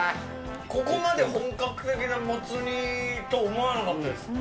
ここまで本格的なもつ煮と思わなかったです。